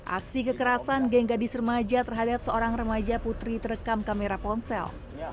aksi kekerasan geng gadis remaja terhadap seorang remaja putri terekam kamera ponsel